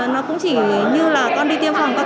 nó cũng chỉ như là con đi tiêm phòng có cái